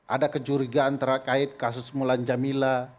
ada kecurigaan terkait kasus mulan jamila